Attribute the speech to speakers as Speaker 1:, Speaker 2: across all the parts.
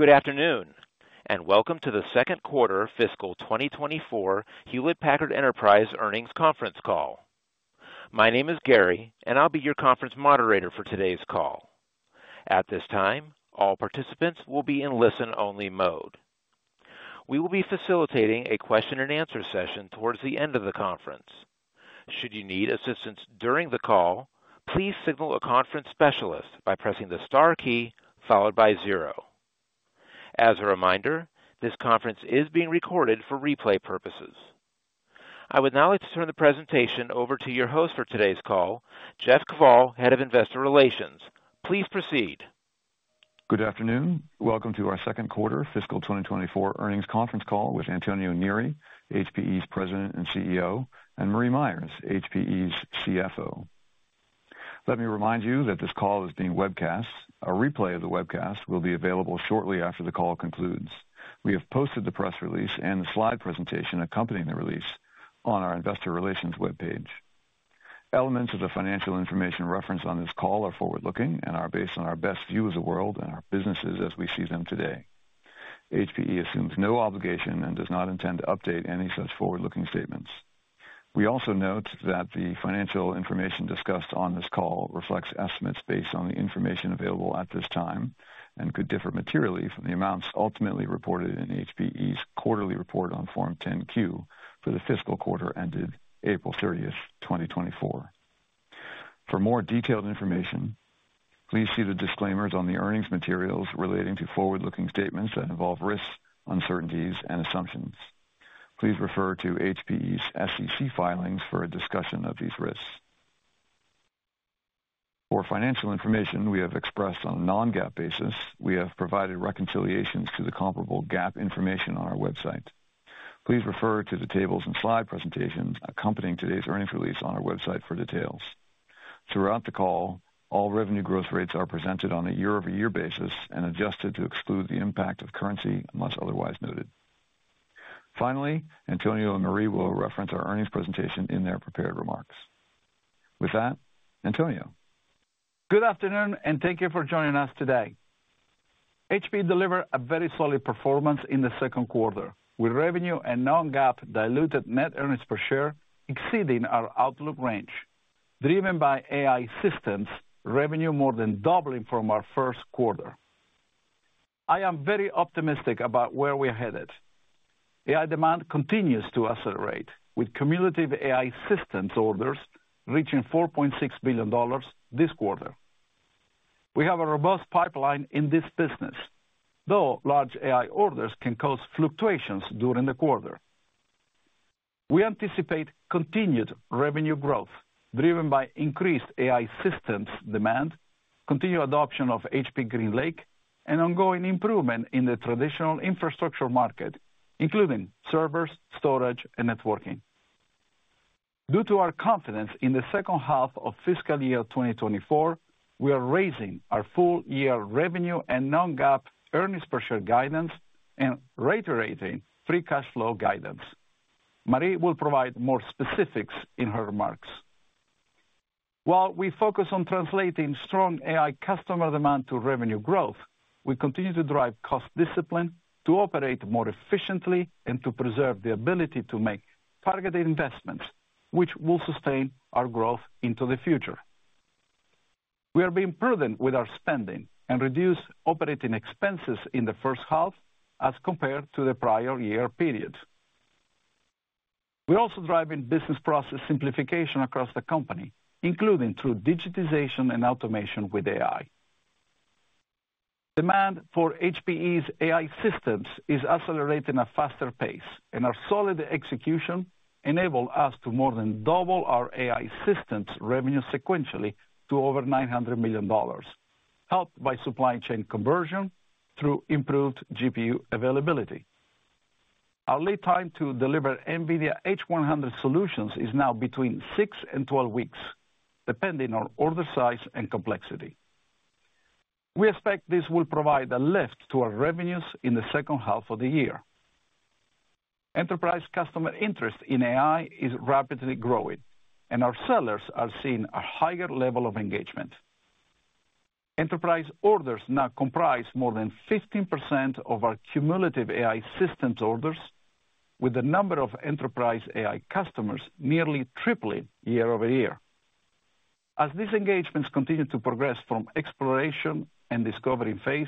Speaker 1: Good afternoon, and welcome to the second quarter fiscal 2024 Hewlett Packard Enterprise earnings conference call. My name is Gary, and I'll be your conference moderator for today's call. At this time, all participants will be in listen-only mode. We will be facilitating a question and answer session towards the end of the conference. Should you need assistance during the call, please signal a conference specialist by pressing the star key followed by zero. As a reminder, this conference is being recorded for replay purposes. I would now like to turn the presentation over to your host for today's call, Jeff Kvaal, Head of Investor Relations. Please proceed.
Speaker 2: Good afternoon. Welcome to our second quarter fiscal 2024 earnings conference call with Antonio Neri, HPE's President and CEO, and Marie Myers, HPE's CFO. Let me remind you that this call is being webcast. A replay of the webcast will be available shortly after the call concludes. We have posted the press release and the slide presentation accompanying the release on our investor relations webpage. Elements of the financial information referenced on this call are forward-looking and are based on our best view of the world and our businesses as we see them today. HPE assumes no obligation and does not intend to update any such forward-looking statements. We also note that the financial information discussed on this call reflects estimates based on the information available at this time and could differ materially from the amounts ultimately reported in HPE's quarterly report on Form 10-Q for the fiscal quarter ended April 30th, 2024. For more detailed information, please see the disclaimers on the earnings materials relating to forward-looking statements that involve risks, uncertainties, and assumptions. Please refer to HPE's SEC filings for a discussion of these risks. For financial information we have expressed on a non-GAAP basis, we have provided reconciliations to the comparable GAAP information on our website. Please refer to the tables and slide presentations accompanying today's earnings release on our website for details. Throughout the call, all revenue growth rates are presented on a year-over-year basis and adjusted to exclude the impact of currency, unless otherwise noted. Finally, Antonio and Marie will reference our earnings presentation in their prepared remarks. With that, Antonio.
Speaker 3: Good afternoon, and thank you for joining us today. HPE delivered a very solid performance in the second quarter, with revenue and non-GAAP diluted net earnings per share exceeding our outlook range, driven by AI systems, revenue more than doubling from our first quarter. I am very optimistic about where we are headed. AI demand continues to accelerate, with cumulative AI systems orders reaching $4.6 billion this quarter. We have a robust pipeline in this business, though large AI orders can cause fluctuations during the quarter. We anticipate continued revenue growth, driven by increased AI systems demand, continued adoption of HPE GreenLake, and ongoing improvement in the traditional infrastructure market, including servers, storage, and networking. Due to our confidence in the second half of fiscal year 2024, we are raising our full year revenue and non-GAAP earnings per share guidance and reiterating free cash flow guidance. Marie will provide more specifics in her remarks. While we focus on translating strong AI customer demand to revenue growth, we continue to drive cost discipline to operate more efficiently and to preserve the ability to make targeted investments, which will sustain our growth into the future. We are being prudent with our spending and reduce operating expenses in the first half as compared to the prior year period. We're also driving business process simplification across the company, including through digitization and automation with AI. Demand for HPE's AI systems is accelerating a faster pace, and our solid execution enabled us to more than double our AI systems revenue sequentially to over $900 million, helped by supply chain conversion through improved GPU availability. Our lead time to deliver NVIDIA H100 solutions is now between six and 12 weeks, depending on order size and complexity. We expect this will provide a lift to our revenues in the second half of the year. Enterprise customer interest in AI is rapidly growing, and our sellers are seeing a higher level of engagement. Enterprise orders now comprise more than 15% of our cumulative AI systems orders, with the number of enterprise AI customers nearly tripling year-over-year. As these engagements continue to progress from exploration and discovery phase,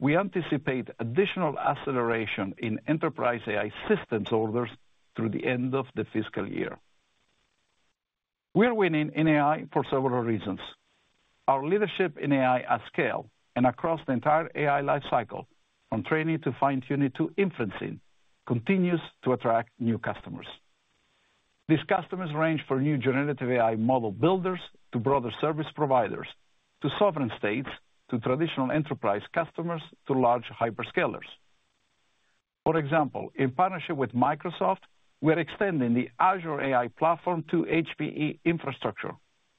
Speaker 3: we anticipate additional acceleration in enterprise AI systems orders through the end of the fiscal year. We are winning in AI for several reasons. Our leadership in AI at scale and across the entire AI life cycle, from training to fine-tuning to inferencing, continues to attract new customers. These customers range from new generative AI model builders to broader service providers, to sovereign states, to traditional enterprise customers, to large hyperscalers. For example, in partnership with Microsoft, we are extending the Azure AI platform to HPE infrastructure,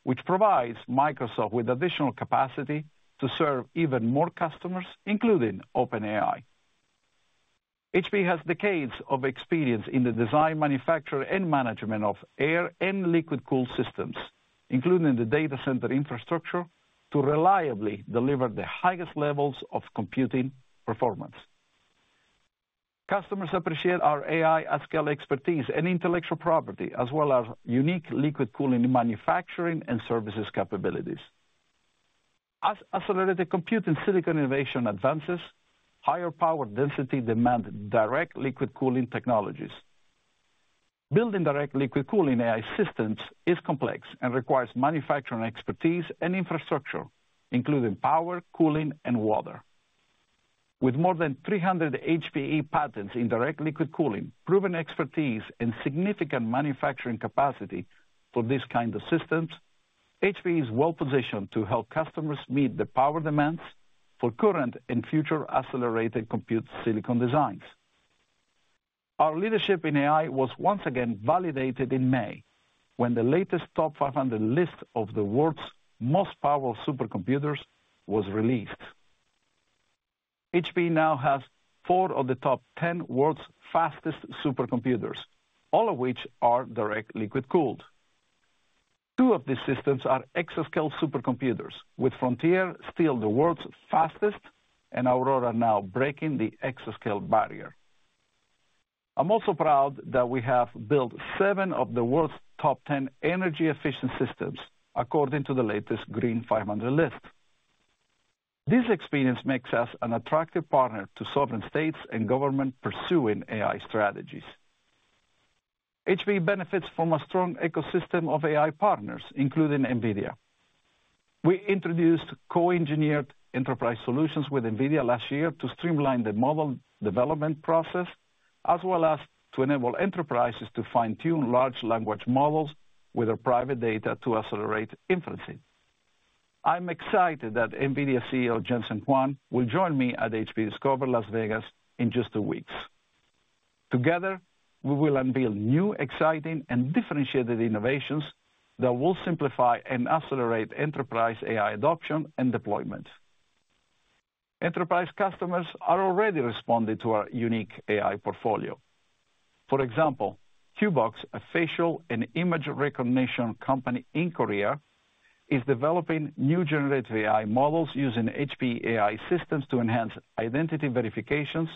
Speaker 3: which provides Microsoft with additional capacity to serve even more customers, including OpenAI. HPE has decades of experience in the design, manufacture, and management of air and liquid-cooled systems, including the data center infrastructure, to reliably deliver the highest levels of computing performance. Customers appreciate our AI at-scale expertise and intellectual property, as well as unique liquid cooling in manufacturing and services capabilities. As accelerated compute and silicon innovation advances, higher power density demand direct liquid cooling technologies. Building direct liquid cooling AI systems is complex and requires manufacturing expertise and infrastructure, including power, cooling, and water. With more than 300 HPE patents in direct liquid cooling, proven expertise, and significant manufacturing capacity for these kind of systems, HPE is well positioned to help customers meet the power demands for current and future accelerated compute silicon designs. Our leadership in AI was once again validated in May, when the latest Top500 list of the world's most powerful supercomputers was released. HPE now has four of the top 10 world's fastest supercomputers, all of which are direct liquid-cooled. Two of these systems are exascale supercomputers, with Frontier still the world's fastest, and Aurora now breaking the exascale barrier. I'm also proud that we have built seven of the world's top 10 energy-efficient systems, according to the latest Green500 list. This experience makes us an attractive partner to sovereign states and government pursuing AI strategies. HPE benefits from a strong ecosystem of AI partners, including NVIDIA. We introduced co-engineered enterprise solutions with NVIDIA last year to streamline the model development process, as well as to enable enterprises to fine-tune large language models with their private data to accelerate inferencing. I'm excited that NVIDIA CEO, Jensen Huang, will join me at HPE Discover Las Vegas in just two weeks. Together, we will unveil new, exciting, and differentiated innovations that will simplify and accelerate enterprise AI adoption and deployment. Enterprise customers are already responding to our unique AI portfolio. For example, CUBOX, a facial and image recognition company in Korea, is developing new generative AI models using HPE AI systems to enhance identity verifications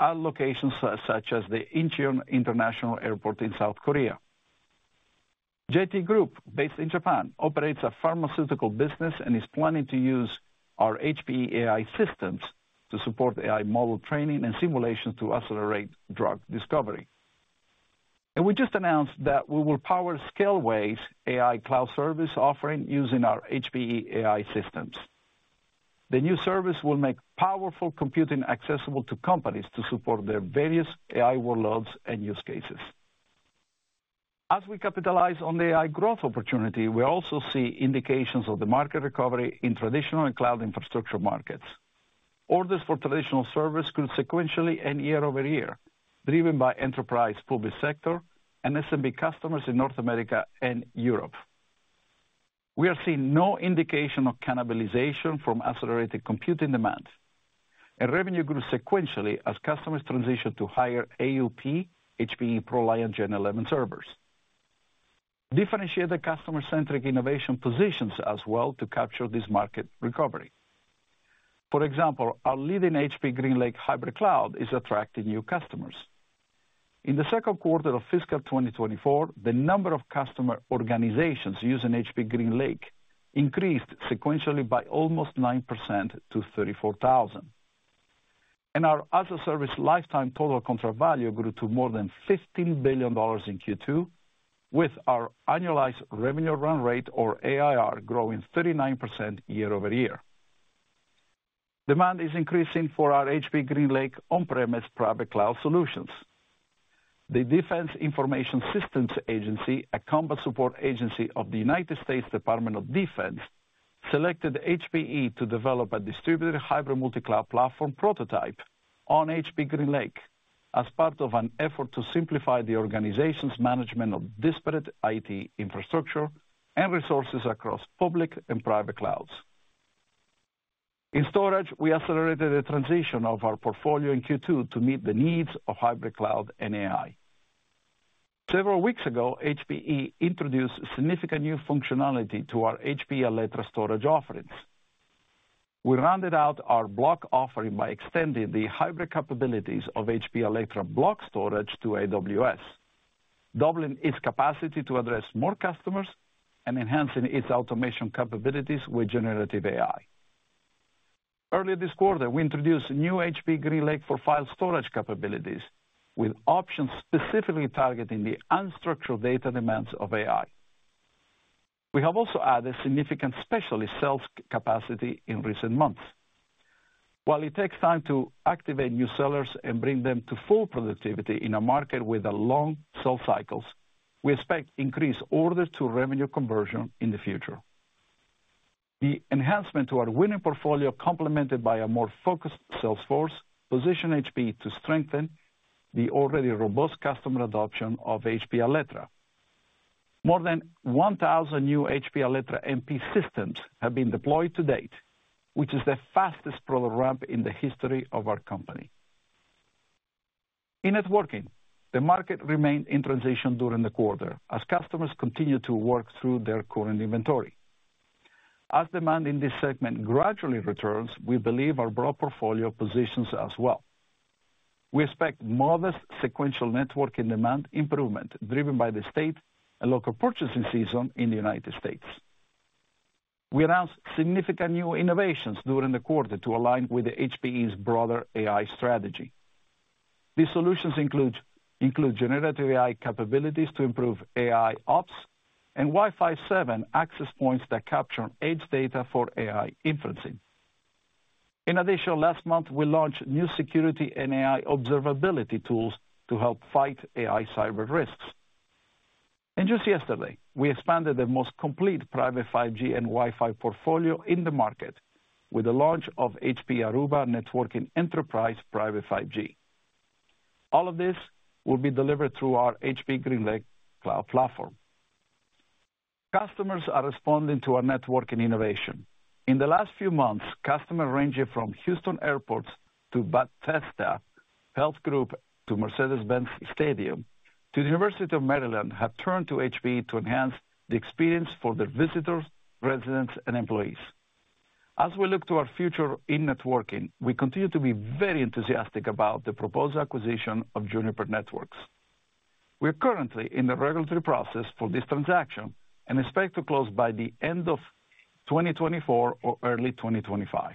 Speaker 3: at locations such as the Incheon International Airport in South Korea. JT Group, based in Japan, operates a pharmaceutical business and is planning to use our HPE AI systems to support AI model training and simulation to accelerate drug discovery. We just announced that we will power Scaleway's AI cloud service offering using our HPE AI systems. The new service will make powerful computing accessible to companies to support their various AI workloads and use cases. As we capitalize on the AI growth opportunity, we also see indications of the market recovery in traditional and cloud infrastructure markets. Orders for traditional servers grew sequentially and year-over-year, driven by enterprise, public sector, and SMB customers in North America and Europe. We are seeing no indication of cannibalization from accelerated computing demand, and revenue grew sequentially as customers transitioned to higher AUP HPE ProLiant Gen11 servers. Differentiated customer-centric innovation positions as well to capture this market recovery. For example, our leading HPE GreenLake hybrid cloud is attracting new customers. In the second quarter of fiscal 2024, the number of customer organizations using HPE GreenLake increased sequentially by almost 9% to 34,000. Our as-a-service lifetime total contract value grew to more than $15 billion in Q2, with our annualized revenue run rate, or ARR, growing 39% year-over-year. Demand is increasing for our HPE GreenLake on-premise private cloud solutions. The Defense Information Systems Agency, a combat support agency of the United States Department of Defense, selected HPE to develop a distributed hybrid multi-cloud platform prototype on HPE GreenLake as part of an effort to simplify the organization's management of disparate IT infrastructure and resources across public and private clouds. In storage, we accelerated the transition of our portfolio in Q2 to meet the needs of hybrid cloud and AI. Several weeks ago, HPE introduced significant new functionality to our HPE Alletra Storage offerings. We rounded out our block offering by extending the hybrid capabilities of HPE Alletra Block Storage to AWS, doubling its capacity to address more customers and enhancing its automation capabilities with generative AI. Earlier this quarter, we introduced new HPE GreenLake for File Storage capabilities, with options specifically targeting the unstructured data demands of AI. We have also added significant specialist sales capacity in recent months. While it takes time to activate new sellers and bring them to full productivity in a market with a long sales cycles, we expect increased orders to revenue conversion in the future. The enhancement to our winning portfolio, complemented by a more focused sales force, position HPE to strengthen the already robust customer adoption of HPE Alletra.... More than 1,000 new HPE Alletra MP systems have been deployed to date, which is the fastest product ramp in the history of our company. In networking, the market remained in transition during the quarter as customers continued to work through their current inventory. As demand in this segment gradually returns, we believe our broad portfolio positions us well. We expect modest sequential networking demand improvement, driven by the state and local purchasing season in the United States. We announced significant new innovations during the quarter to align with HPE's broader AI strategy. These solutions include generative AI capabilities to improve AIOps and Wi-Fi 7 access points that capture edge data for AI inferencing. In addition, last month, we launched new security and AI observability tools to help fight AI cyber risks. And just yesterday, we expanded the most complete private 5G and Wi-Fi portfolio in the market with the launch of HPE Aruba Networking Enterprise Private 5G. All of this will be delivered through our HPE GreenLake cloud platform. Customers are responding to our networking innovation. In the last few months, customers ranging from Houston Airport to Baptist, Health Group to Mercedes-Benz Stadium, to the University of Maryland, have turned to HPE to enhance the experience for their visitors, residents, and employees. As we look to our future in networking, we continue to be very enthusiastic about the proposed acquisition of Juniper Networks. We are currently in the regulatory process for this transaction and expect to close by the end of 2024 or early 2025.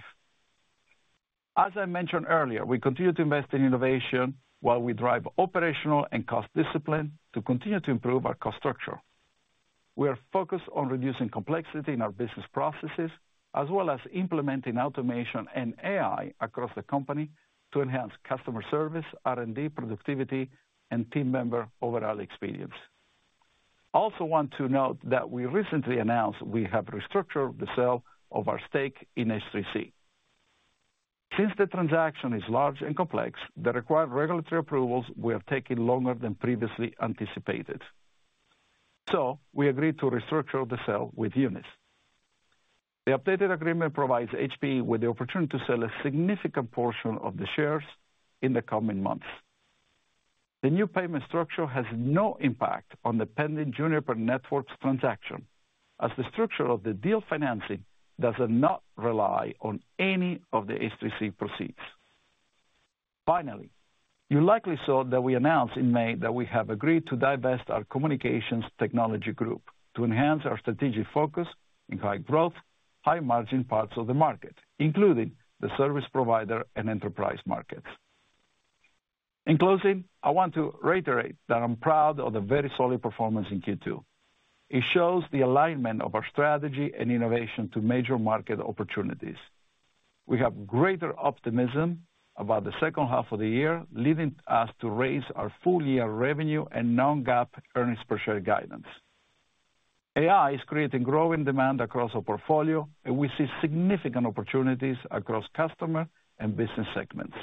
Speaker 3: As I mentioned earlier, we continue to invest in innovation while we drive operational and cost discipline to continue to improve our cost structure. We are focused on reducing complexity in our business processes, as well as implementing automation and AI across the company to enhance customer service, R&D, productivity, and team member overall experience. I also want to note that we recently announced we have restructured the sale of our stake in H3C. Since the transaction is large and complex, the required regulatory approvals will have taken longer than previously anticipated. So we agreed to restructure the sale with UNIS. The updated agreement provides HPE with the opportunity to sell a significant portion of the shares in the coming months. The new payment structure has no impact on the pending Juniper Networks transaction, as the structure of the deal financing does not rely on any of the H3C proceeds. Finally, you likely saw that we announced in May that we have agreed to divest our communications technology group to enhance our strategic focus in high growth, high margin parts of the market, including the service provider and enterprise markets. In closing, I want to reiterate that I'm proud of the very solid performance in Q2. It shows the alignment of our strategy and innovation to major market opportunities. We have greater optimism about the second half of the year, leading us to raise our full-year revenue and non-GAAP earnings per share guidance. AI is creating growing demand across our portfolio, and we see significant opportunities across customer and business segments.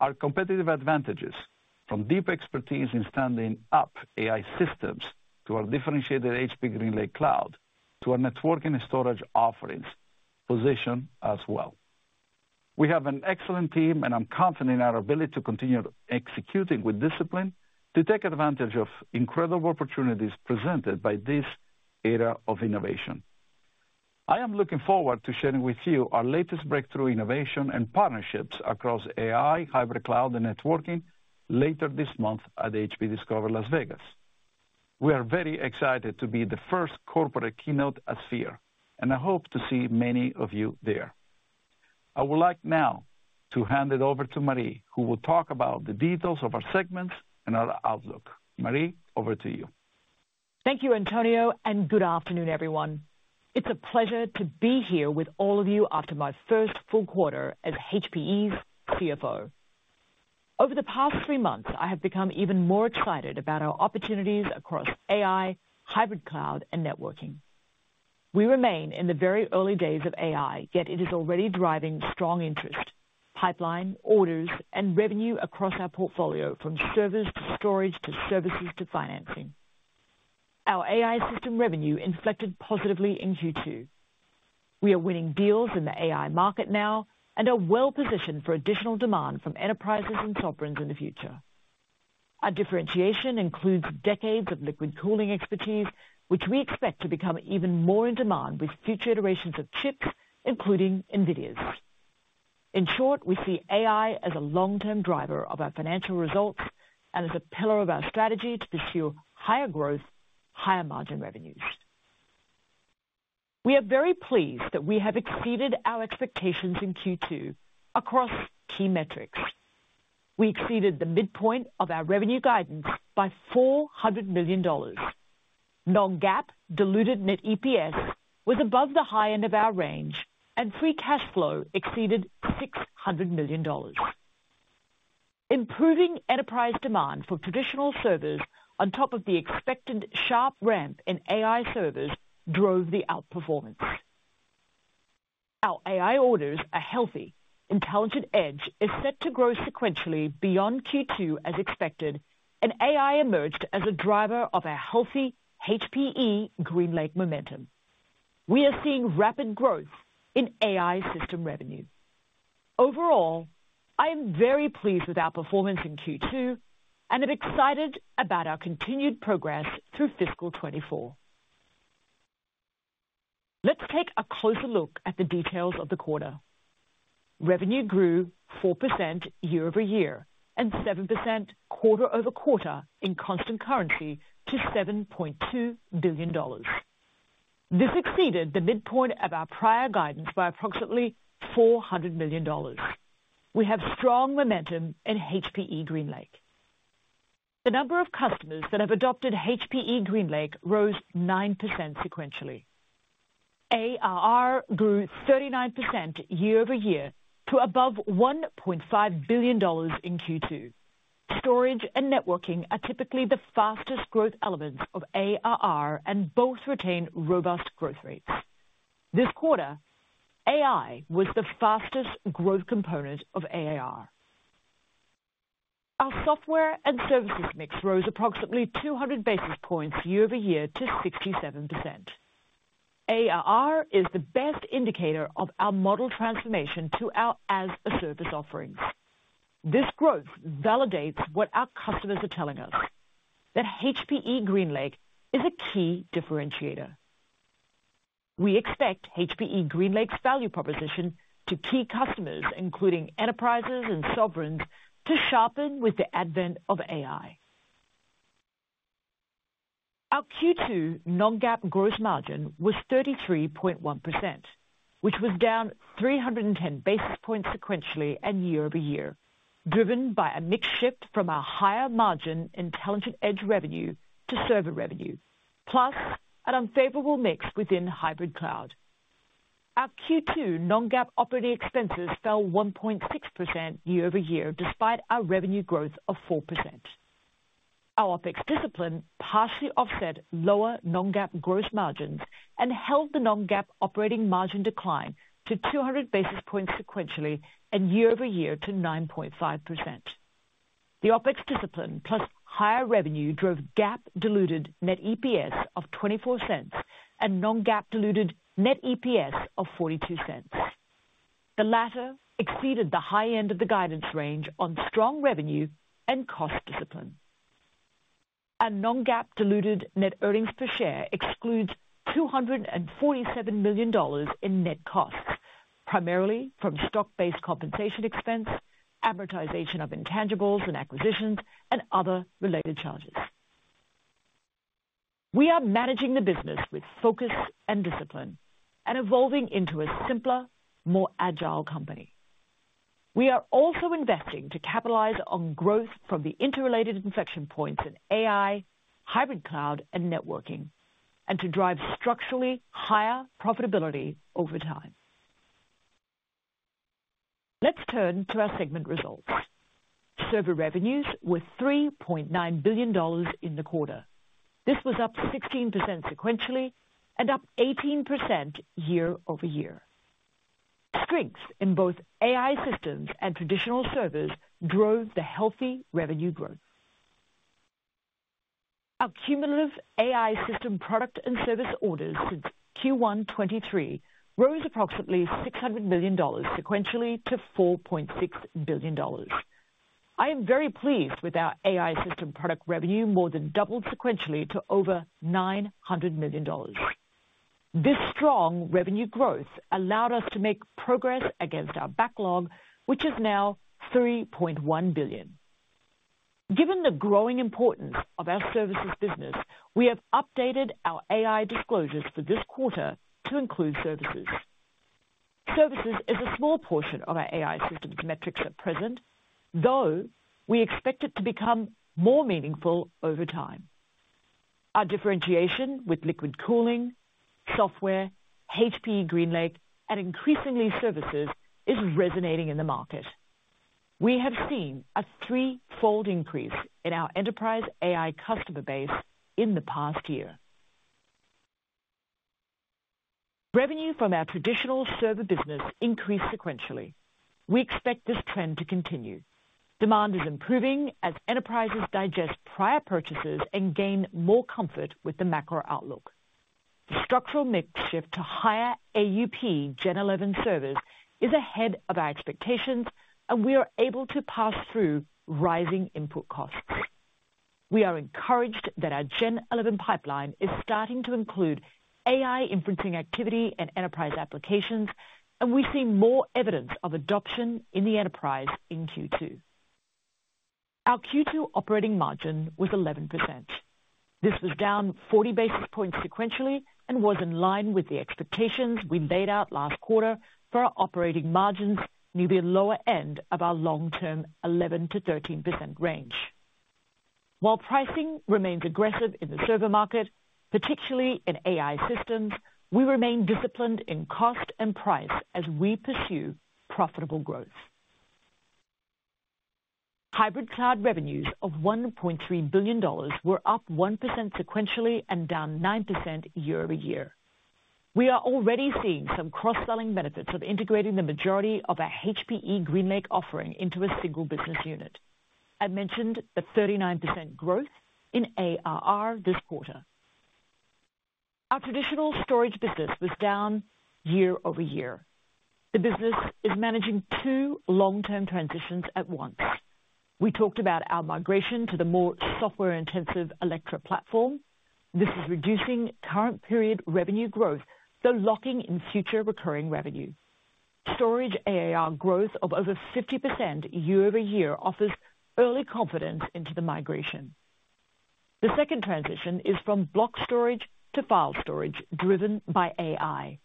Speaker 3: Our competitive advantages, from deep expertise in standing up AI systems to our differentiated HPE GreenLake Cloud, to our networking and storage offerings, position as well. We have an excellent team, and I'm confident in our ability to continue executing with discipline to take advantage of incredible opportunities presented by this era of innovation. I am looking forward to sharing with you our latest breakthrough, innovation, and partnerships across AI, hybrid cloud, and networking later this month at HPE Discover Las Vegas. We are very excited to be the first corporate keynote at Sphere, and I hope to see many of you there. I would like now to hand it over to Marie, who will talk about the details of our segments and our outlook. Marie, over to you.
Speaker 4: Thank you, Antonio, and good afternoon, everyone. It's a pleasure to be here with all of you after my first full quarter as HPE's CFO. Over the past three months, I have become even more excited about our opportunities across AI, hybrid cloud, and networking. We remain in the very early days of AI, yet it is already driving strong interest, pipeline, orders, and revenue across our portfolio, from servers to storage, to services, to financing. Our AI system revenue inflected positively in Q2. We are winning deals in the AI market now and are well positioned for additional demand from enterprises and sovereigns in the future. Our differentiation includes decades of liquid cooling expertise, which we expect to become even more in demand with future iterations of chips, including NVIDIA's. In short, we see AI as a long-term driver of our financial results and as a pillar of our strategy to pursue higher growth, higher margin revenues. We are very pleased that we have exceeded our expectations in Q2 across key metrics. We exceeded the midpoint of our revenue guidance by $400 million. Non-GAAP diluted net EPS was above the high end of our range, and free cash flow exceeded $600 million. Improving enterprise demand for traditional servers on top of the expected sharp ramp in AI servers drove the outperformance. Our AI orders are healthy. Intelligent Edge is set to grow sequentially beyond Q2 as expected, and AI emerged as a driver of a healthy HPE GreenLake momentum. We are seeing rapid growth in AI system revenue. Overall, I am very pleased with our performance in Q2 and am excited about our continued progress through fiscal 2024. Let's take a closer look at the details of the quarter. Revenue grew 4% year-over-year and 7% quarter-over-quarter in constant currency to $7.2 billion. This exceeded the midpoint of our prior guidance by approximately $400 million. We have strong momentum in HPE GreenLake. The number of customers that have adopted HPE GreenLake rose 9% sequentially. ARR grew 39% year-over-year to above $1.5 billion in Q2. Storage and networking are typically the fastest growth elements of ARR and both retain robust growth rates. This quarter, AI was the fastest growth component of ARR. Our software and services mix rose approximately 200 basis points year-over-year to 67%. ARR is the best indicator of our model transformation to our as-a-service offerings. This growth validates what our customers are telling us, that HPE GreenLake is a key differentiator. We expect HPE GreenLake's value proposition to key customers, including enterprises and sovereigns, to sharpen with the advent of AI. Our Q2 non-GAAP gross margin was 33.1%, which was down 310 basis points sequentially and year-over-year, driven by a mix shift from our higher margin intelligent Edge revenue to server revenue, plus an unfavorable mix within hybrid cloud. Our Q2 non-GAAP operating expenses fell 1.6% year-over-year, despite our revenue growth of 4%. Our OpEx discipline partially offset lower non-GAAP gross margins and held the non-GAAP operating margin decline to 200 basis points sequentially and year-over-year to 9.5%. The OpEx discipline, plus higher revenue, drove GAAP diluted net EPS of $0.24 and non-GAAP diluted net EPS of $0.42. The latter exceeded the high end of the guidance range on strong revenue and cost discipline. Our non-GAAP diluted net earnings per share excludes $247 million in net costs, primarily from stock-based compensation expense, amortization of intangibles and acquisitions, and other related charges. We are managing the business with focus and discipline and evolving into a simpler, more agile company. We are also investing to capitalize on growth from the interrelated inflection points in AI, hybrid cloud, and networking, and to drive structurally higher profitability over time. Let's turn to our segment results. Server revenues were $3.9 billion in the quarter. This was up 16% sequentially and up 18% year-over-year. Strengths in both AI systems and traditional servers drove the healthy revenue growth. Our cumulative AI system product and service orders since Q1 2023 rose approximately $600 million sequentially to $4.6 billion. I am very pleased with our AI system product revenue, more than doubled sequentially to over $900 million. This strong revenue growth allowed us to make progress against our backlog, which is now $3.1 billion. Given the growing importance of our services business, we have updated our AI disclosures for this quarter to include services. Services is a small portion of our AI systems metrics at present, though we expect it to become more meaningful over time. Our differentiation with liquid cooling, software, HPE GreenLake, and increasingly services, is resonating in the market. We have seen a threefold increase in our enterprise AI customer base in the past year. Revenue from our traditional server business increased sequentially. We expect this trend to continue. Demand is improving as enterprises digest prior purchases and gain more comfort with the macro outlook. The structural mix shift to higher AUP Gen11 servers is ahead of our expectations, and we are able to pass through rising input costs. We are encouraged that our Gen11 pipeline is starting to include AI inferencing activity and enterprise applications, and we see more evidence of adoption in the enterprise in Q2. Our Q2 operating margin was 11%. This was down 40 basis points sequentially and was in line with the expectations we laid out last quarter for our operating margins, near the lower end of our long-term 11%-13% range. While pricing remains aggressive in the server market, particularly in AI systems, we remain disciplined in cost and price as we pursue profitable growth.... Hybrid cloud revenues of $1.3 billion were up 1% sequentially and down 9% year-over-year. We are already seeing some cross-selling benefits of integrating the majority of our HPE GreenLake offering into a single business unit. I mentioned the 39% growth in ARR this quarter. Our traditional storage business was down year-over-year. The business is managing two long-term transitions at once. We talked about our migration to the more software-intensive Alletra platform. This is reducing current period revenue growth, though locking in future recurring revenue. Storage ARR growth of over 50% year-over-year offers early confidence into the migration. The second transition is from block storage to file storage, driven by AI.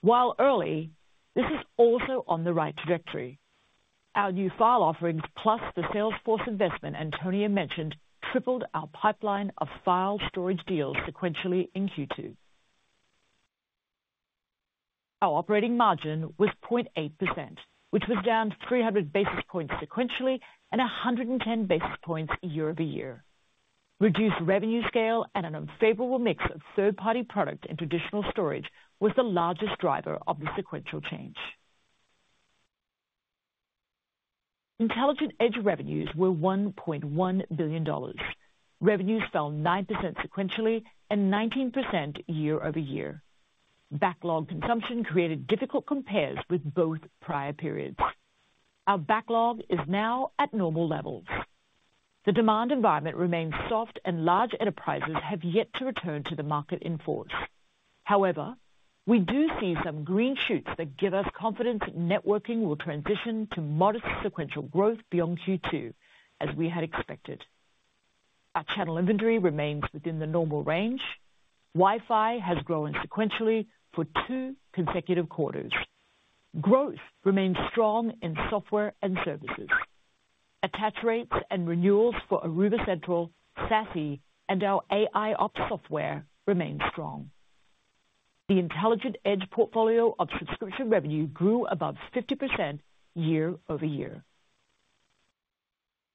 Speaker 4: While early, this is also on the right trajectory. Our new file offerings, plus the Salesforce investment Antonio mentioned, tripled our pipeline of file storage deals sequentially in Q2. Our operating margin was 0.8%, which was down 300 basis points sequentially and 110 basis points year-over-year. Reduced revenue scale and an unfavorable mix of third-party products and traditional storage was the largest driver of the sequential change. Intelligent Edge revenues were $1.1 billion. Revenues fell 9% sequentially and 19% year-over-year. Backlog consumption created difficult compares with both prior periods. Our backlog is now at normal levels. The demand environment remains soft, and large enterprises have yet to return to the market in force. However, we do see some green shoots that give us confidence that networking will transition to modest sequential growth beyond Q2, as we had expected. Our channel inventory remains within the normal range. Wi-Fi has grown sequentially for 2 consecutive quarters. Growth remains strong in software and services. Attach rates and renewals for Aruba Central, SASE, and our AIOps software remain strong. The Intelligent Edge portfolio of subscription revenue grew above 50% year-over-year.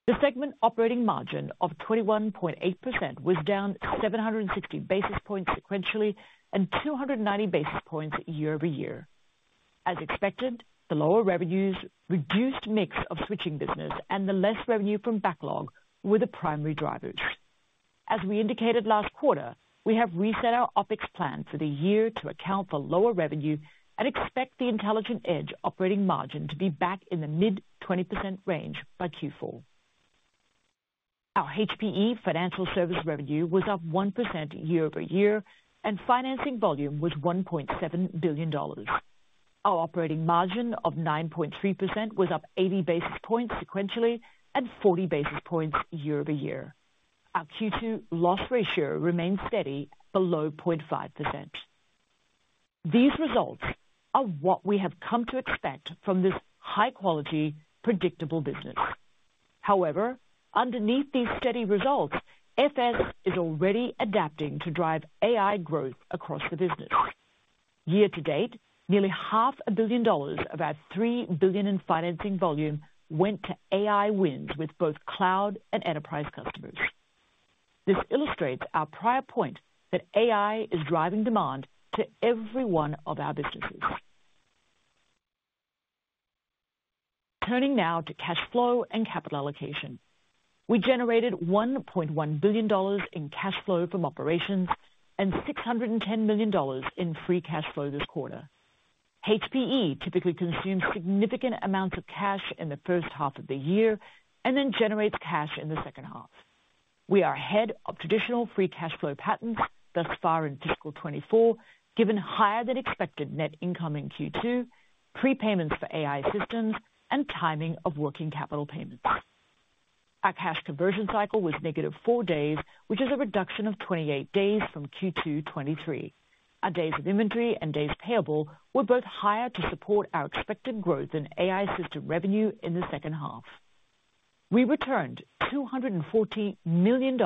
Speaker 4: The segment operating margin of 21.8% was down 760 basis points sequentially and 290 basis points year-over-year. As expected, the lower revenues, reduced mix of switching business, and the less revenue from backlog were the primary drivers. As we indicated last quarter, we have reset our OpEx plan for the year to account for lower revenue and expect the Intelligent Edge operating margin to be back in the mid-20% range by Q4. Our HPE Financial Services revenue was up 1% year-over-year, and financing volume was $1.7 billion. Our operating margin of 9.3% was up 80 basis points sequentially and 40 basis points year-over-year. Our Q2 loss ratio remains steady below 0.5%. These results are what we have come to expect from this high-quality, predictable business. However, underneath these steady results, FS is already adapting to drive AI growth across the business. Year-to-date, nearly $500 million of our $3 billion in financing volume went to AI wins with both cloud and enterprise customers. This illustrates our prior point that AI is driving demand to every one of our businesses. Turning now to cash flow and capital allocation. We generated $1.1 billion in cash flow from operations and $610 million in free cash flow this quarter. HPE typically consumes significant amounts of cash in the first half of the year and then generates cash in the second half. We are ahead of traditional free cash flow patterns thus far in fiscal 2024, given higher-than-expected net income in Q2, prepayments for AI systems, and timing of working capital payments. Our cash conversion cycle was negative 4 days, which is a reduction of 28 days from Q2 2023. Our days of inventory and days payable were both higher to support our expected growth in AI system revenue in the second half. We returned $214 million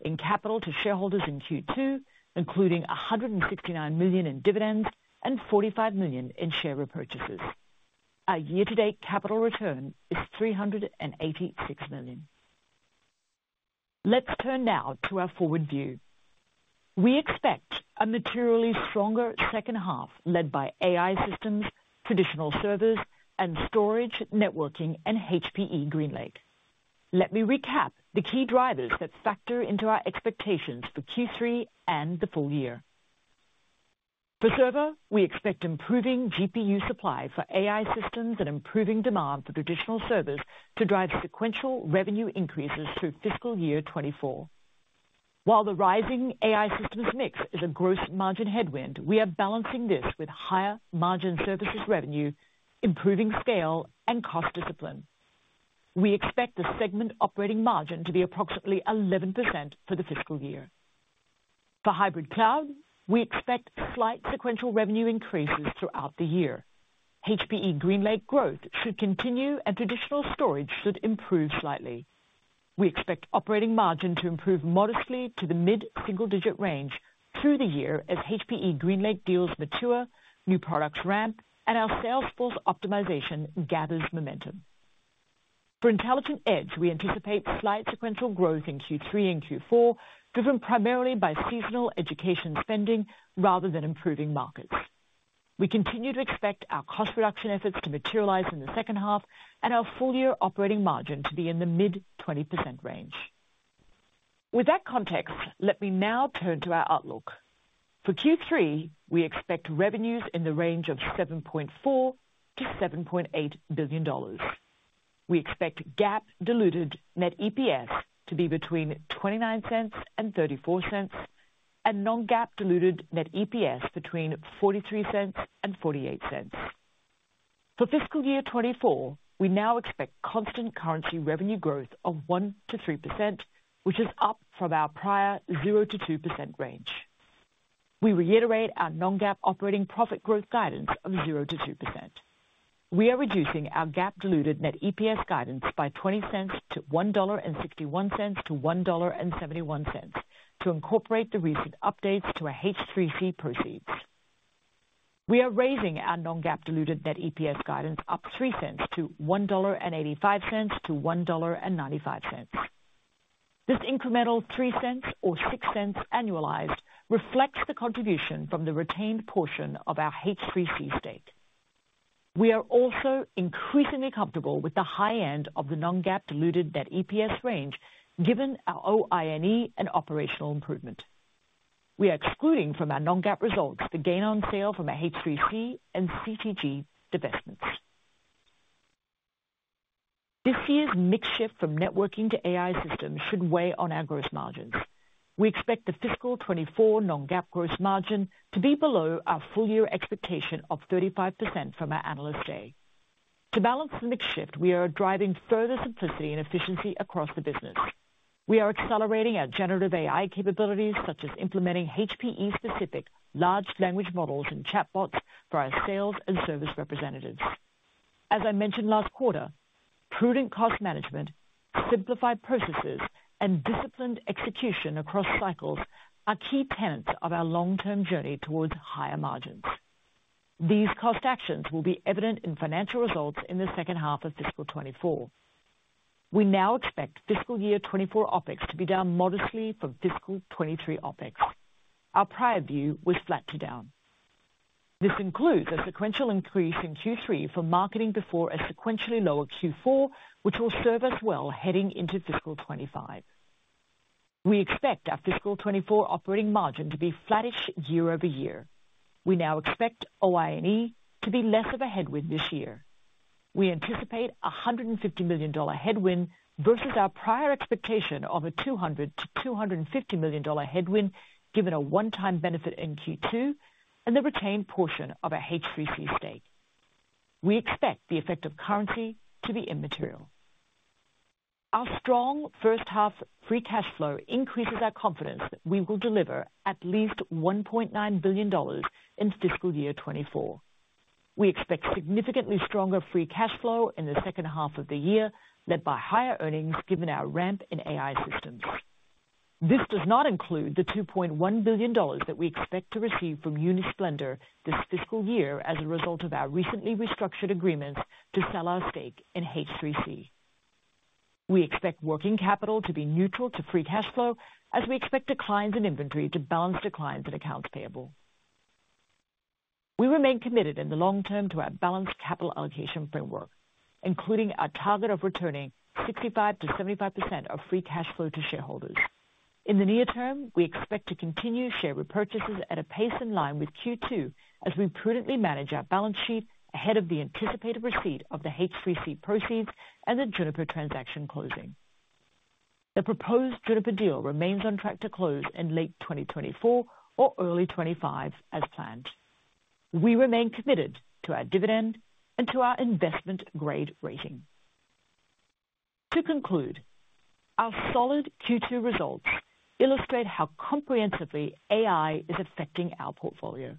Speaker 4: in capital to shareholders in Q2, including $169 million in dividends and $45 million in share repurchases. Our year-to-date capital return is $386 million. Let's turn now to our forward view. We expect a materially stronger second half, led by AI systems, traditional servers, and storage, networking, and HPE GreenLake. Let me recap the key drivers that factor into our expectations for Q3 and the full year. For server, we expect improving GPU supply for AI systems and improving demand for traditional servers to drive sequential revenue increases through fiscal year 2024. While the rising AI systems mix is a gross margin headwind, we are balancing this with higher margin services revenue, improving scale, and cost discipline. We expect the segment operating margin to be approximately 11% for the fiscal year. For hybrid cloud, we expect slight sequential revenue increases throughout the year. HPE GreenLake growth should continue, and traditional storage should improve slightly. We expect operating margin to improve modestly to the mid-single-digit range through the year as HPE GreenLake deals mature, new products ramp, and our sales force optimization gathers momentum. For Intelligent Edge, we anticipate slight sequential growth in Q3 and Q4, driven primarily by seasonal education spending rather than improving markets. We continue to expect our cost reduction efforts to materialize in the second half and our full-year operating margin to be in the mid-20% range. With that context, let me now turn to our outlook. For Q3, we expect revenues in the range of $7.4 billion-$7.8 billion. We expect GAAP diluted net EPS to be between $0.29 and $0.34, and non-GAAP diluted net EPS between $0.43 and $0.48. For fiscal year 2024, we now expect constant currency revenue growth of 1%-3%, which is up from our prior 0%-2% range. We reiterate our non-GAAP operating profit growth guidance of 0%-2%. We are reducing our GAAP diluted net EPS guidance by $0.20 to $1.61-$1.71 to incorporate the recent updates to our H3C proceeds. We are raising our non-GAAP diluted net EPS guidance up $0.03 to $1.85-$1.95. This incremental $0.03 or $0.06 annualized reflects the contribution from the retained portion of our H3C stake. We are also increasingly comfortable with the high end of the non-GAAP diluted net EPS range, given our OI&E and operational improvement. We are excluding from our non-GAAP results the gain on sale from our H3C and CTG divestments. This year's mix shift from networking to AI systems should weigh on our gross margins. We expect the fiscal 2024 non-GAAP gross margin to be below our full year expectation of 35% from our Analyst Day. To balance the mix shift, we are driving further simplicity and efficiency across the business. We are accelerating our generative AI capabilities, such as implementing HPE-specific large language models and chatbots for our sales and service representatives. As I mentioned last quarter, prudent cost management, simplified processes, and disciplined execution across cycles are key tenets of our long-term journey towards higher margins. These cost actions will be evident in financial results in the second half of fiscal 2024. We now expect fiscal year 2024 OpEx to be down modestly from fiscal 2023 OpEx. Our prior view was flat to down. This includes a sequential increase in Q3 for marketing before a sequentially lower Q4, which will serve us well heading into fiscal 2025. We expect our fiscal 2024 operating margin to be flattish year-over-year. We now expect OI&E to be less of a headwind this year. We anticipate a $150 million headwind versus our prior expectation of a $200 million-$250 million headwind, given a one-time benefit in Q2 and the retained portion of our H3C stake. We expect the effect of currency to be immaterial. Our strong first half free cash flow increases our confidence that we will deliver at least $1.9 billion in fiscal year 2024. We expect significantly stronger free cash flow in the second half of the year, led by higher earnings, given our ramp in AI systems. This does not include the $2.1 billion that we expect to receive from Unisplendour this fiscal year as a result of our recently restructured agreement to sell our stake in H3C. We expect working capital to be neutral to free cash flow as we expect declines in inventory to balance declines in accounts payable. We remain committed in the long term to our balanced capital allocation framework, including our target of returning 65%-75% of free cash flow to shareholders. In the near term, we expect to continue share repurchases at a pace in line with Q2 as we prudently manage our balance sheet ahead of the anticipated receipt of the H3C proceeds and the Juniper transaction closing. The proposed Juniper deal remains on track to close in late 2024 or early 2025 as planned. We remain committed to our dividend and to our investment-grade rating. To conclude, our solid Q2 results illustrate how comprehensively AI is affecting our portfolio.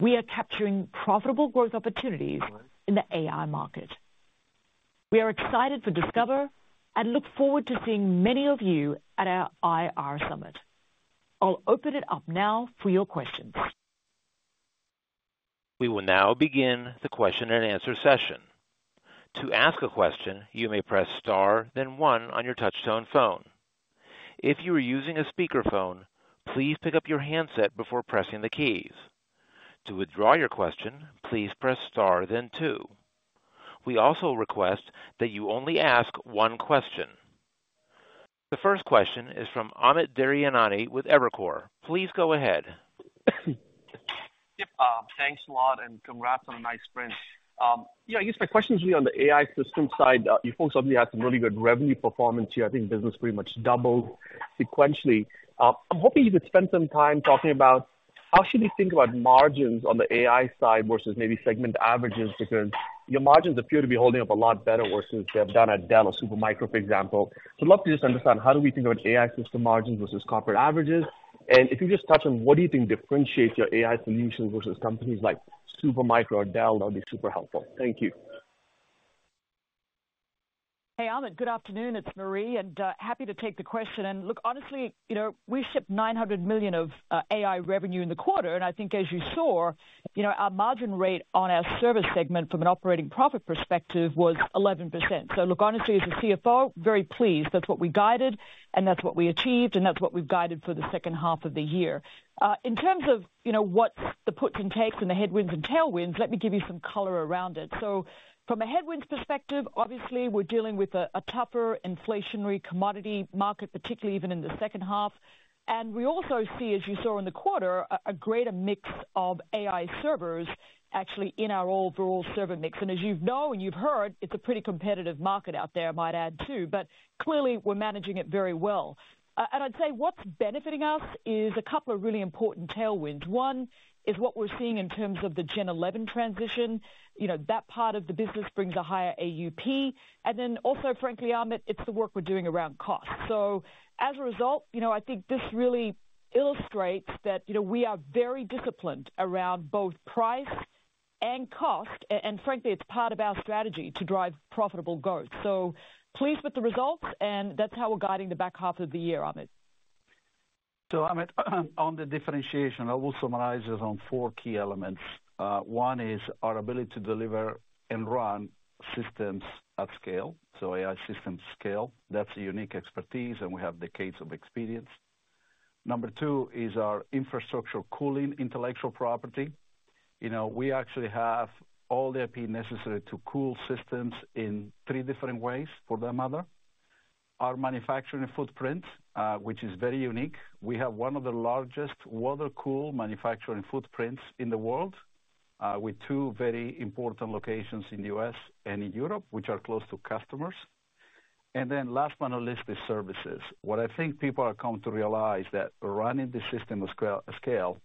Speaker 4: We are capturing profitable growth opportunities in the AI market. We are excited for Discover and look forward to seeing many of you at our IR Summit. I'll open it up now for your questions.
Speaker 1: We will now begin the question and answer session. To ask a question, you may press star, then one on your touchtone phone. If you are using a speakerphone, please pick up your handset before pressing the keys. To withdraw your question, please press star then two. We also request that you only ask one question. The first question is from Amit Daryanani with Evercore. Please go ahead.
Speaker 5: Yep, thanks a lot and congrats on a nice sprint. Yeah, I guess my question is really on the AI system side. You folks obviously had some really good revenue performance here. I think business pretty much doubled sequentially. I'm hoping you could spend some time talking about how should we think about margins on the AI side versus maybe segment averages? Because your margins appear to be holding up a lot better versus they have done at Dell or Supermicro, for example. So I'd love to just understand, how do we think about AI system margins versus corporate averages? And if you just touch on what do you think differentiates your AI solutions versus companies like Supermicro or Dell, that would be super helpful. Thank you. ...
Speaker 4: Hey, Amit, good afternoon. It's Marie, and happy to take the question. And look, honestly, you know, we shipped $900 million of AI revenue in the quarter, and I think, as you saw, you know, our margin rate on our service segment from an operating profit perspective was 11%. So look, honestly, as a CFO, very pleased. That's what we guided, and that's what we achieved, and that's what we've guided for the second half of the year. In terms of, you know, what's the puts and takes and the headwinds and tailwinds, let me give you some color around it. So from a headwinds perspective, obviously, we're dealing with a tougher inflationary commodity market, particularly even in the second half. And we also see, as you saw in the quarter, a greater mix of AI servers actually in our overall server mix. And as you know and you've heard, it's a pretty competitive market out there, I might add, too, but clearly we're managing it very well. And I'd say what's benefiting us is a couple of really important tailwinds. One is what we're seeing in terms of the Gen11 transition. You know, that part of the business brings a higher AUP, and then also, frankly, Amit, it's the work we're doing around cost. So as a result, you know, I think this really illustrates that, you know, we are very disciplined around both price and cost, and frankly, it's part of our strategy to drive profitable growth. So pleased with the results, and that's how we're guiding the back half of the year, Amit.
Speaker 3: So, Amit, on the differentiation, I will summarize it on four key elements. One is our ability to deliver and run systems at scale, so AI systems scale. That's a unique expertise, and we have decades of experience. Number two is our infrastructural cooling intellectual property. You know, we actually have all the IP necessary to cool systems in three different ways, for that matter. Our manufacturing footprint, which is very unique. We have one of the largest water-cooled manufacturing footprints in the world, with two very important locations in the U.S. and in Europe, which are close to customers. And then last but not least, is services. What I think people are coming to realize, that running systems at scale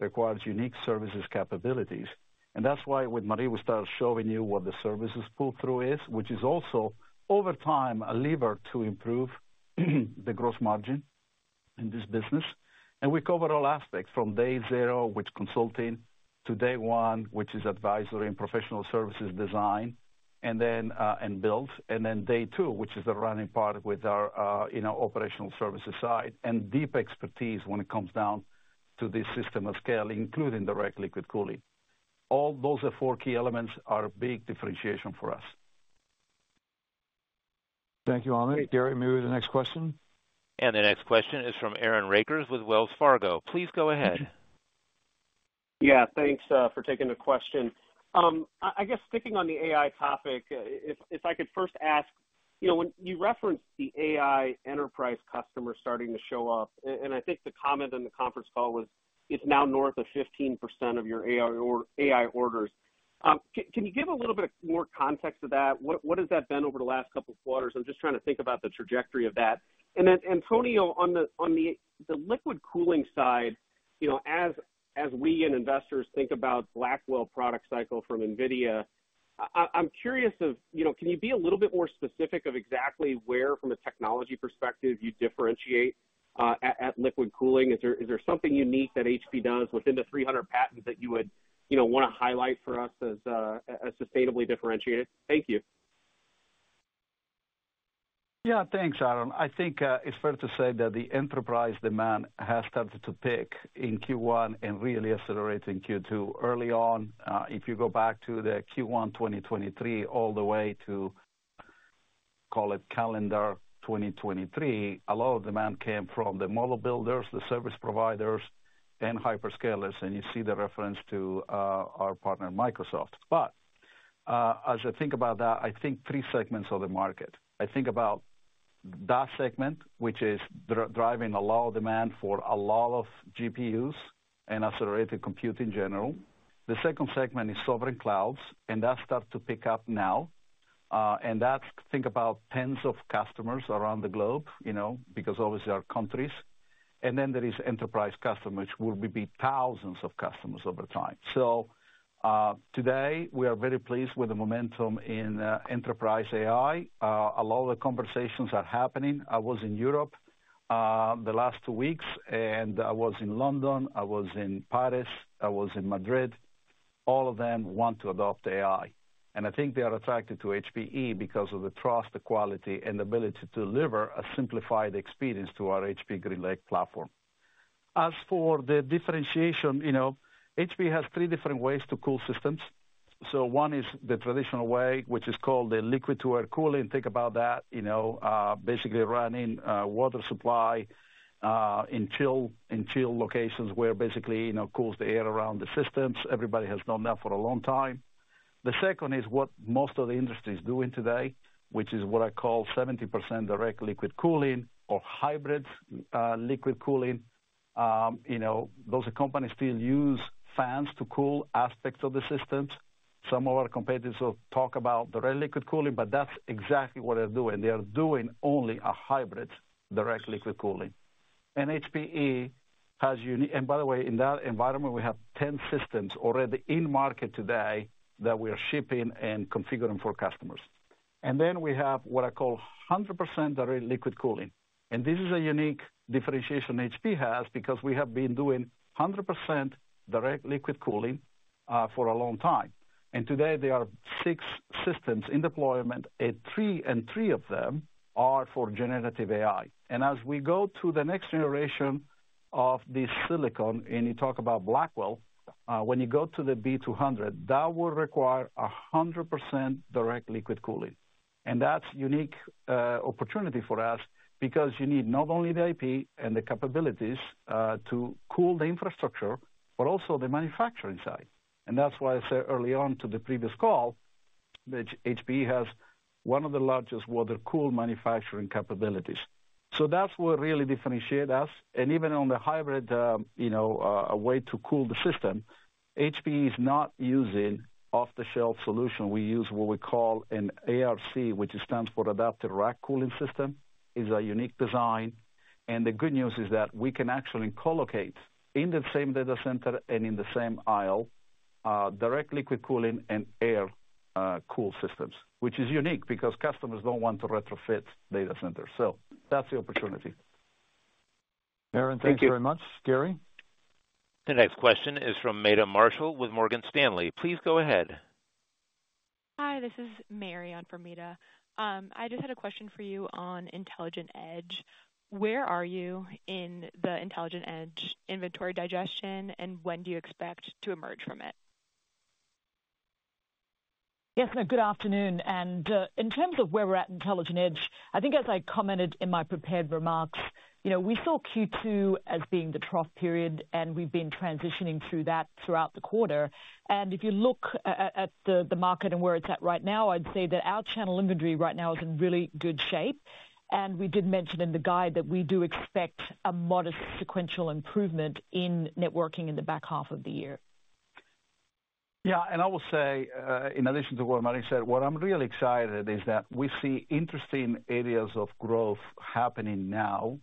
Speaker 3: requires unique services capabilities. And that's why with Marie, we started showing you what the services pull-through is, which is also, over time, a lever to improve the gross margin in this business. And we cover all aspects from day zero, which consulting, to day one, which is advisory and professional services design, and then, and build, and then day two, which is the running part with our, you know, operational services side, and deep expertise when it comes down to this system of scale, including direct liquid cooling. All those are four key elements are a big differentiation for us.
Speaker 2: Thank you, Amit. Gary, move to the next question.
Speaker 1: The next question is from Aaron Rakers with Wells Fargo. Please go ahead.
Speaker 6: Yeah, thanks for taking the question. I guess sticking on the AI topic, if I could first ask, you know, when you referenced the AI enterprise customer starting to show up, and I think the comment on the conference call was, it's now north of 15% of your AI or AI orders. Can you give a little bit more context to that? What has that been over the last couple of quarters? I'm just trying to think about the trajectory of that. And then, Antonio, on the liquid cooling side, you know, as we and investors think about Blackwell product cycle from NVIDIA, I'm curious of, you know, can you be a little bit more specific of exactly where, from a technology perspective, you differentiate at liquid cooling? Is there, is there something unique that HPE does within the 300 patents that you would, you know, want to highlight for us as, as sustainably differentiated? Thank you.
Speaker 3: Yeah, thanks, Aaron. I think it's fair to say that the enterprise demand has started to pick in Q1 and really accelerate in Q2. Early on, if you go back to the Q1 2023, all the way to, call it calendar 2023, a lot of demand came from the model builders, the service providers, and hyperscalers, and you see the reference to our partner, Microsoft. But as I think about that, I think three segments of the market. I think about that segment, which is driving a lot of demand for a lot of GPUs and accelerated compute in general. The second segment is sovereign clouds, and that starts to pick up now, and that's think about tens of customers around the globe, you know, because obviously our countries. And then there is enterprise customers, which will be thousands of customers over time. So, today, we are very pleased with the momentum in, enterprise AI. A lot of the conversations are happening. I was in Europe, the last two weeks, and I was in London, I was in Paris, I was in Madrid. All of them want to adopt AI, and I think they are attracted to HPE because of the trust, the quality, and the ability to deliver a simplified experience to our HPE GreenLake platform. As for the differentiation, you know, HPE has three different ways to cool systems. So one is the traditional way, which is called the liquid-to-air cooling. Think about that, you know, basically running water supply in chilled locations, where basically, you know, cools the air around the systems. Everybody has done that for a long time. The second is what most of the industry is doing today, which is what I call 70% direct liquid cooling or hybrid liquid cooling. You know, those companies still use fans to cool aspects of the systems. Some of our competitors will talk about direct liquid cooling, but that's exactly what they're doing. They are doing only a hybrid direct liquid cooling. And HPE has and by the way, in that environment, we have 10 systems already in market today that we are shipping and configuring for customers. And then we have what I call 100% direct liquid cooling, and this is a unique differentiation HPE has because we have been doing 100% direct liquid cooling for a long time, and today there are 6 systems in deployment, and 3, and 3 of them are for Generative AI. As we go to the next generation of the silicon, and you talk about Blackwell, when you go to the B200, that will require 100% direct liquid cooling. And that's unique opportunity for us because you need not only the IP and the capabilities to cool the infrastructure, but also the manufacturing side. And that's why I said early on to the previous call, that HPE has one of the largest water cool manufacturing capabilities. So that's what really differentiate us. And even on the hybrid, you know, a way to cool the system, HPE is not using off-the-shelf solution. We use what we call an ARC, which stands for Adaptive Rack Cooling system. It's a unique design, and the good news is that we can actually collocate in the same data center and in the same aisle, direct liquid cooling and air cool systems, which is unique because customers don't want to retrofit data centers. So that's the opportunity.
Speaker 2: Aaron, thank you very much. Gary?
Speaker 1: The next question is from Meta Marshall with Morgan Stanley. Please go ahead.
Speaker 7: Hi, this is Mary on for Meta. I just had a question for you on Intelligent Edge. Where are you in the Intelligent Edge inventory digestion, and when do you expect to emerge from it?
Speaker 4: Yes, and good afternoon. And in terms of where we're at Intelligent Edge, I think as I commented in my prepared remarks, you know, we saw Q2 as being the trough period, and we've been transitioning through that throughout the quarter. And if you look at the market and where it's at right now, I'd say that our channel inventory right now is in really good shape. And we did mention in the guide that we do expect a modest sequential improvement in networking in the back half of the year.
Speaker 3: Yeah, and I will say, in addition to what Marie said, what I'm really excited is that we see interesting areas of growth happening now.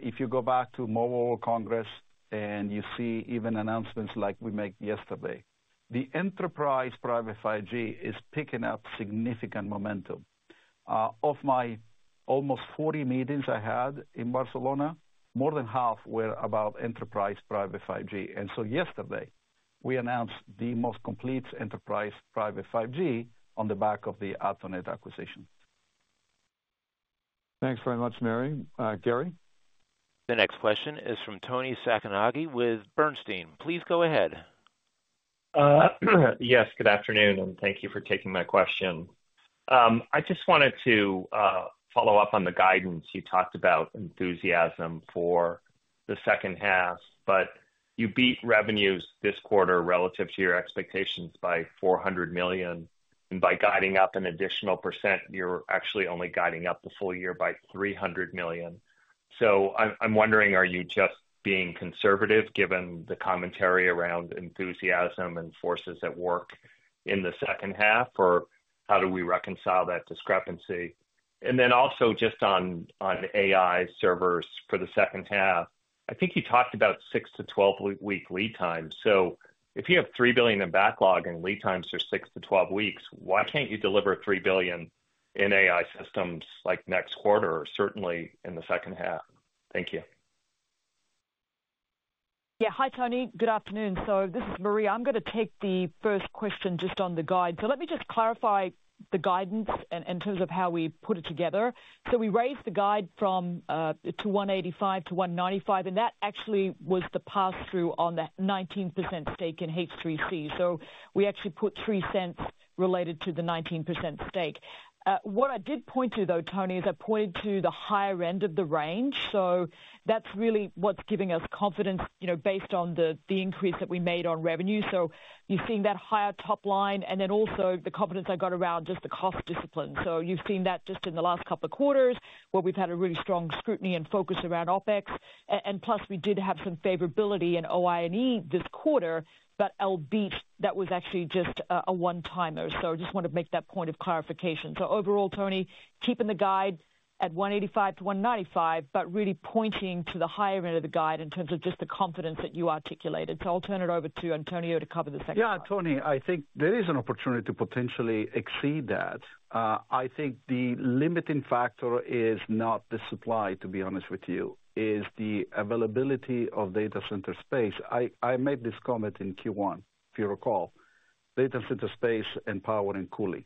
Speaker 3: If you go back to Mobile Congress and you see even announcements like we make yesterday, the enterprise private 5G is picking up significant momentum. Of my almost 40 meetings I had in Barcelona, more than half were about enterprise private 5G. And so yesterday, we announced the most complete enterprise private 5G on the back of the Athonet acquisition.
Speaker 2: Thanks very much, Mary. Gary?
Speaker 1: The next question is from Toni Sacconaghi with Bernstein. Please go ahead.
Speaker 8: Yes, good afternoon, and thank you for taking my question. I just wanted to follow up on the guidance. You talked about enthusiasm for the second half, but you beat revenues this quarter relative to your expectations by $400 million. And by guiding up an additional percent, you're actually only guiding up the full year by $300 million. So I'm wondering, are you just being conservative, given the commentary around enthusiasm and forces at work in the second half, or how do we reconcile that discrepancy? And then also just on AI servers for the second half, I think you talked about 6-12 week lead times. So if you have $3 billion in backlog and lead times are 6-12 weeks, why can't you deliver $3 billion in AI systems like next quarter, or certainly in the second half? Thank you.
Speaker 4: Yeah. Hi, Toni. Good afternoon. So this is Marie. I'm gonna take the first question just on the guide. So let me just clarify the guidance in terms of how we put it together. So we raised the guide from $1.85-$1.95, and that actually was the pass-through on that 19% stake in H3C. So we actually put $0.03 related to the 19% stake. What I did point to, though, Toni, is I pointed to the higher end of the range, so that's really what's giving us confidence, you know, based on the increase that we made on revenue. So you're seeing that higher top line and then also the confidence I got around just the cost discipline. So you've seen that just in the last couple of quarters, where we've had a really strong scrutiny and focus around OpEx. And plus, we did have some favorability in OI&E this quarter, but LB, that was actually just a one-timer, so just want to make that point of clarification. So overall, Toni, keeping the guide at $185-$195, but really pointing to the higher end of the guide in terms of just the confidence that you articulated. So I'll turn it over to Antonio to cover the second part.
Speaker 3: Yeah, Toni, I think there is an opportunity to potentially exceed that. I think the limiting factor is not the supply, to be honest with you, is the availability of data center space. I made this comment in Q1, if you recall, data center space and power and cooling.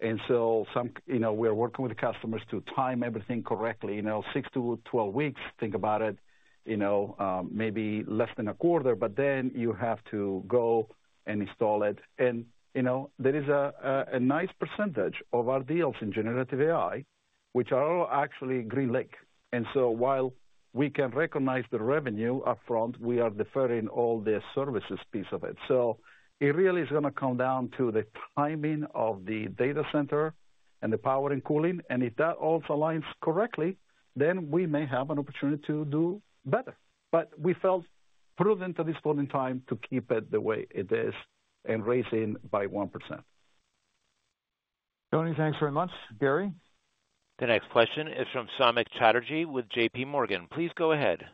Speaker 3: And so some... You know, we are working with the customers to time everything correctly, you know, 6-12 weeks, think about it, you know, maybe less than a quarter, but then you have to go and install it. And, you know, there is a nice percentage of our deals in generative AI, which are all actually GreenLake. And so while we can recognize the revenue upfront, we are deferring all the services piece of it. So it really is gonna come down to the timing of the data center and the power and cooling, and if that all aligns correctly, then we may have an opportunity to do better. But we felt prudent at this point in time to keep it the way it is and raise in by 1%.
Speaker 2: Toni, thanks very much. Gary?
Speaker 1: The next question is from Samik Chatterjee with J.P. Morgan. Please go ahead.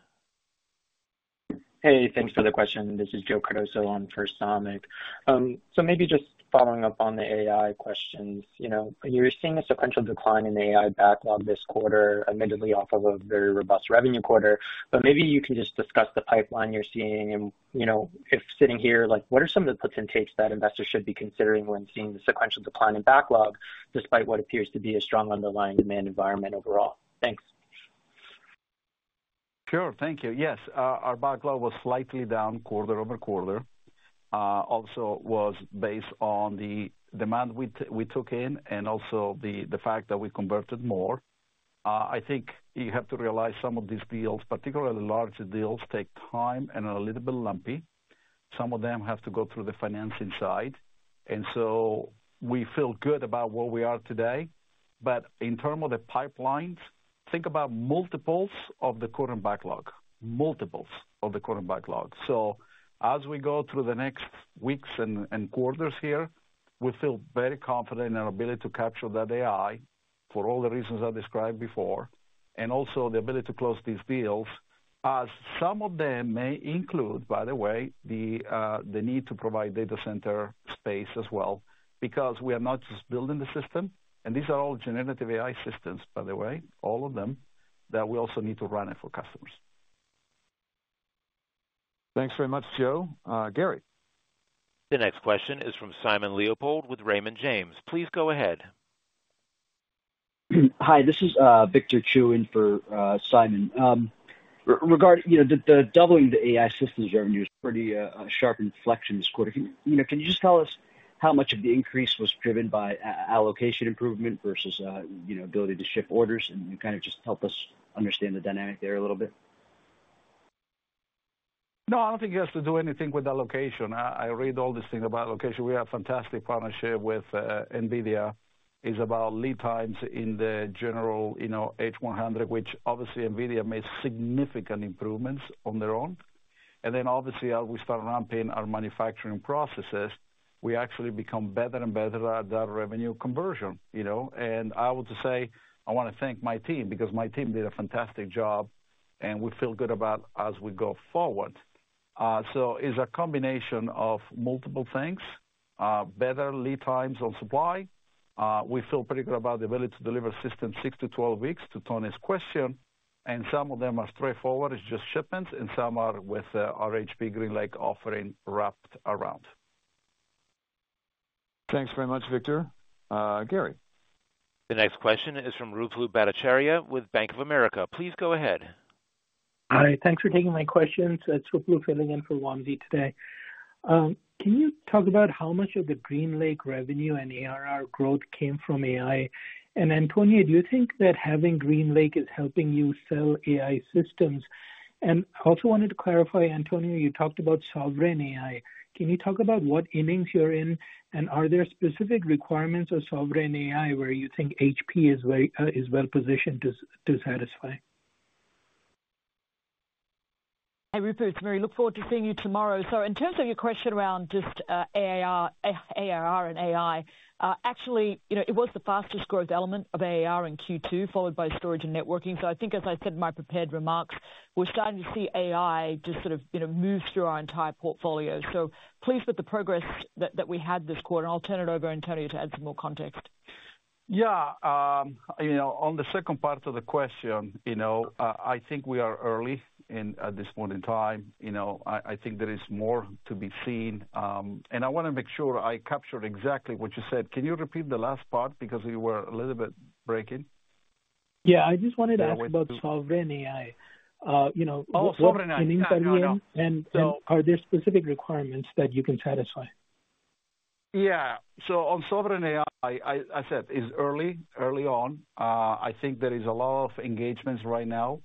Speaker 9: Hey, thanks for the question. This is Joseph Cardoso on for Samik Chatterjee. So maybe just following up on the AI questions. You know, you're seeing a sequential decline in AI backlog this quarter, admittedly off of a very robust revenue quarter. But maybe you can just discuss the pipeline you're seeing and, you know, sitting here, like, what are some of the puts and takes that investors should be considering when seeing the sequential decline in backlog, despite what appears to be a strong underlying demand environment overall? Thanks.
Speaker 3: Sure. Thank you. Yes, our backlog was slightly down quarter-over-quarter. Also was based on the demand we took in and also the fact that we converted more. I think you have to realize some of these deals, particularly large deals, take time and are a little bit lumpy. Some of them have to go through the financing side, and so we feel good about where we are today. But in terms of the pipelines, think about multiples of the current backlog, multiples of the current backlog. So as we go through the next weeks and quarters here, we feel very confident in our ability to capture that AI for all the reasons I described before, and also the ability to close these deals, as some of them may include, by the way, the need to provide data center space as well, because we are not just building the system, and these are all Generative AI systems, by the way, all of them, that we also need to run it for customers.
Speaker 2: Thanks very much, Joe. Gary?
Speaker 1: The next question is from Simon Leopold with Raymond James. Please go ahead.
Speaker 10: Hi, this is Victor Chiu in for Simon. Regarding, you know, the doubling of the AI systems revenue is a pretty sharp inflection this quarter. You know, can you just tell us how much of the increase was driven by allocation improvement versus, you know, ability to ship orders? And kind of just help us understand the dynamic there a little bit.
Speaker 3: No, I don't think it has to do anything with allocation. I read all these things about allocation. We have fantastic partnership with NVIDIA, is about lead times in the general, you know, H100, which obviously NVIDIA made significant improvements on their own. And then obviously, as we start ramping our manufacturing processes, we actually become better and better at that revenue conversion, you know? And I would just say, I want to thank my team, because my team did a fantastic job, and we feel good about as we go forward. So it's a combination of multiple things, better lead times on supply. We feel pretty good about the ability to deliver systems 6-12 weeks to Tony's question, and some of them are straightforward, it's just shipments, and some are with our HPE GreenLake offering wrapped around.
Speaker 2: Thanks very much, Victor. Gary?
Speaker 1: The next question is from Ruplu Bhattacharya with Bank of America. Please go ahead.
Speaker 11: Hi, thanks for taking my questions. It's Ruplu filling in for Wamsi today. Can you talk about how much of the GreenLake revenue and ARR growth came from AI? And then, Antonio, do you think that having GreenLake is helping you sell AI systems? And I also wanted to clarify, Antonio, you talked about Sovereign AI. Can you talk about what innings you're in, and are there specific requirements of Sovereign AI where you think HPE is very well positioned to satisfy?
Speaker 4: Hey, Ruplu, it's Marie. Look forward to seeing you tomorrow. So in terms of your question around just AI, ARR and AI, actually, you know, it was the fastest growth element of ARR in Q2, followed by storage and networking. So I think as I said in my prepared remarks, we're starting to see AI just sort of, you know, move through our entire portfolio. So pleased with the progress that we had this quarter, and I'll turn it over to Antonio to add some more context.
Speaker 3: Yeah, you know, on the second part of the question, you know, I think we are early in at this point in time. You know, I think there is more to be seen, and I want to make sure I captured exactly what you said. Can you repeat the last part because you were a little bit breaking?
Speaker 11: Yeah, I just wanted to ask about-
Speaker 3: Yeah, where to-
Speaker 11: - Sovereign AI. You know-
Speaker 3: Oh, Sovereign AI.
Speaker 11: Are there specific requirements that you can satisfy?
Speaker 3: Yeah. So on Sovereign AI, I said, it's early, early on. I think there is a lot of engagements right now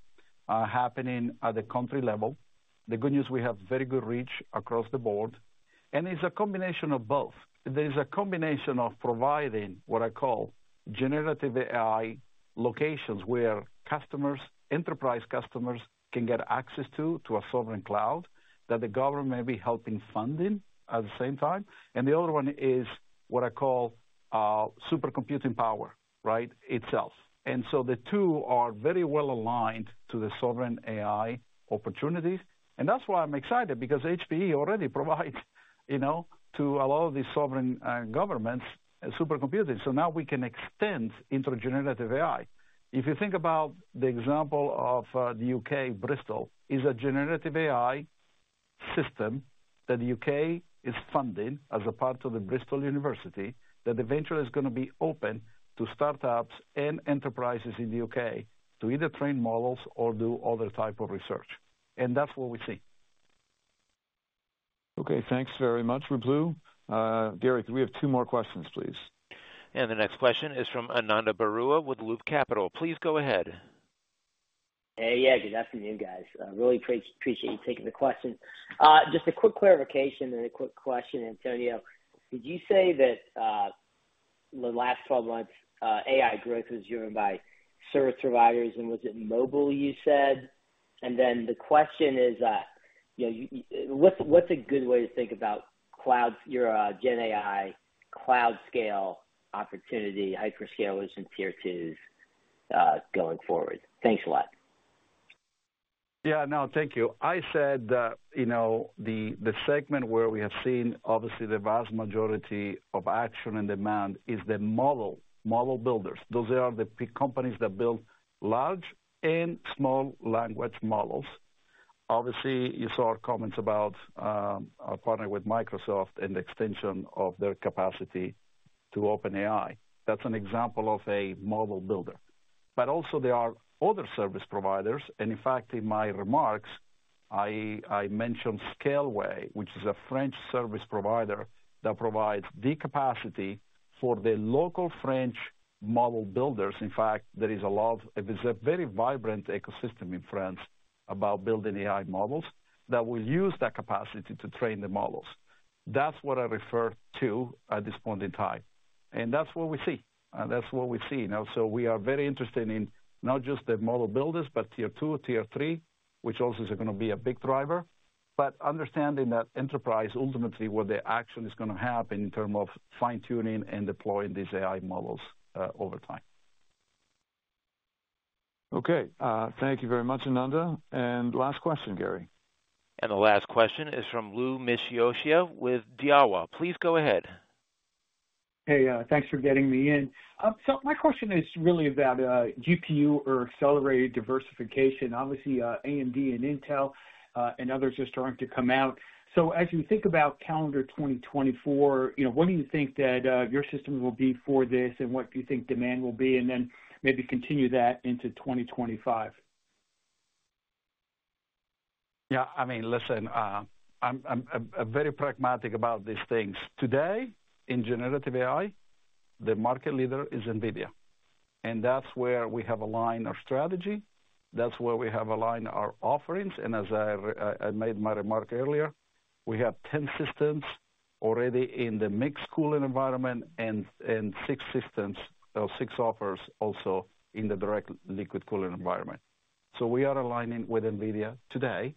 Speaker 3: happening at the country level. The good news, we have very good reach across the board, and it's a combination of both. There is a combination of providing what I call generative AI locations, where customers, enterprise customers, can get access to a sovereign cloud that the government may be helping funding at the same time. And the other one is what I call supercomputing power, right, itself. And so the two are very well aligned to the sovereign AI opportunities. And that's why I'm excited, because HPE already provides, you know, to a lot of these sovereign governments, supercomputing. So now we can extend into generative AI. If you think about the example of the U.K. Bristol, is a generative AI system that the U.K. is funding as a part of the Bristol University, that eventually is going to be open to startups and enterprises in the U.K. to either train models or do other type of research. And that's what we see.
Speaker 2: Okay, thanks very much, Ruplu. Gary, we have two more questions, please.
Speaker 1: The next question is from Ananda Baruah with Loop Capital. Please go ahead.
Speaker 12: Hey, yeah, good afternoon, guys. I really appreciate you taking the question. Just a quick clarification and a quick question, Antonio. Did you say that the last 12 months, AI growth was driven by service providers, and was it mobile, you said? And then the question is, you know, what's a good way to think about cloud, your GenAI, cloud scale, opportunity, hyperscalers and Tier 2, going forward? Thanks a lot....
Speaker 3: Yeah, no, thank you. I said that, you know, the segment where we have seen, obviously, the vast majority of action and demand is the model builders. Those are the big companies that build large and small language models. Obviously, you saw our comments about our partner with Microsoft and the extension of their capacity to OpenAI. That's an example of a model builder. But also there are other service providers, and in fact, in my remarks, I mentioned Scaleway, which is a French service provider that provides the capacity for the local French model builders. In fact, there is a lot. It is a very vibrant ecosystem in France about building AI models that will use that capacity to train the models. That's what I refer to at this point in time, and that's what we see. That's what we see now. So we are very interested in not just the model builders, but Tier 2, Tier 3, which also is gonna be a big driver, but understanding that enterprise, ultimately, where the action is gonna happen in terms of fine-tuning and deploying these AI models, over time.
Speaker 2: Okay, thank you very much, Ananda. And last question, Gary.
Speaker 1: The last question is from Louis Miscioscia with Daiwa. Please go ahead.
Speaker 13: Hey, thanks for getting me in. So my question is really about GPU or accelerated diversification. Obviously, AMD and Intel and others are starting to come out. So as you think about calendar 2024, you know, what do you think that your system will be for this, and what do you think demand will be? And then maybe continue that into 2025.
Speaker 3: Yeah, I mean, listen, I'm very pragmatic about these things. Today, in generative AI, the market leader is NVIDIA, and that's where we have aligned our strategy, that's where we have aligned our offerings, and as I made my remark earlier, we have 10 systems already in the mixed cooling environment and six systems or six offers also in the direct liquid cooling environment. So we are aligning with NVIDIA today,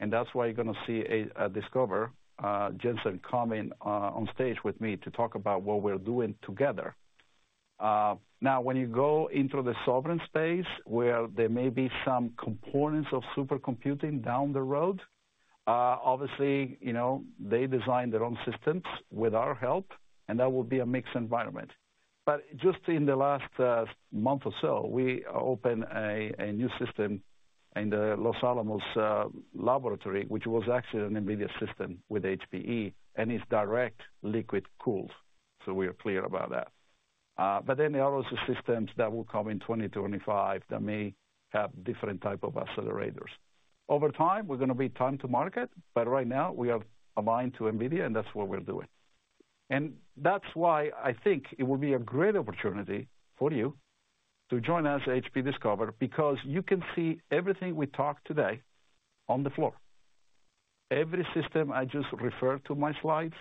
Speaker 3: and that's why you're gonna see at Discover, Jensen coming on stage with me to talk about what we're doing together. Now, when you go into the sovereign space, where there may be some components of supercomputing down the road, obviously, you know, they design their own systems with our help, and that will be a mixed environment. But just in the last month or so, we opened a new system in the Los Alamos Laboratory, which was actually an NVIDIA system with HPE, and it's direct liquid cooled. So we are clear about that. But then there are also systems that will come in 2025 that may have different type of accelerators. Over time, we're gonna be time to market, but right now we are aligned to NVIDIA, and that's what we're doing. And that's why I think it will be a great opportunity for you to join us at HPE Discover, because you can see everything we talked today on the floor. Every system I just referred to in my slides,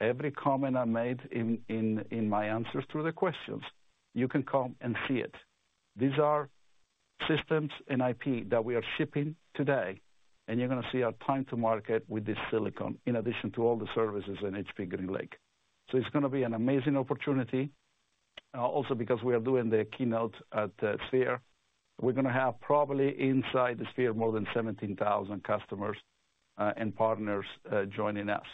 Speaker 3: every comment I made in my answers to the questions, you can come and see it. These are systems and IP that we are shipping today, and you're gonna see our time to market with this silicon, in addition to all the services in HPE GreenLake. So it's gonna be an amazing opportunity, also because we are doing the keynote at Sphere. We're gonna have probably inside the Sphere, more than 17,000 customers, and partners, joining us.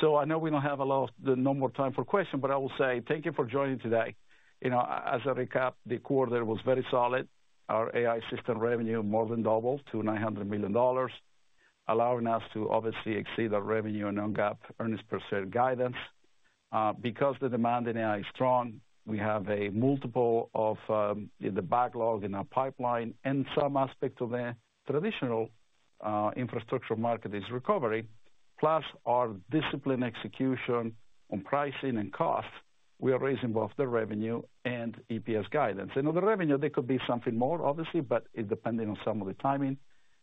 Speaker 3: So I know we don't have a lot of time. No more time for questions, but I will say thank you for joining today. You know, as I recap, the quarter was very solid. Our AI system revenue more than doubled to $900 million, allowing us to obviously exceed our revenue and non-GAAP earnings per share guidance. Because the demand in AI is strong, we have a multiple of the backlog in our pipeline and some aspect of the traditional infrastructure market is recovering. Plus, our disciplined execution on pricing and cost, we are raising both the revenue and EPS guidance. And on the revenue, there could be something more, obviously, but it depending on some of the timing.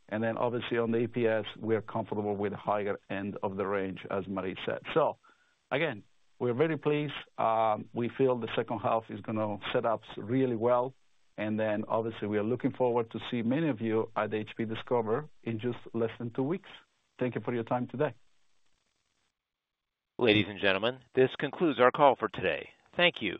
Speaker 3: And then obviously on the EPS, we are comfortable with the higher end of the range, as Marie said. So again, we're very pleased. We feel the second half is gonna set up really well, and then obviously, we are looking forward to see many of you at HPE Discover in just less than two weeks. Thank you for your time today.
Speaker 1: Ladies and gentlemen, this concludes our call for today. Thank you.